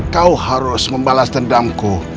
kau harus membalas dendamku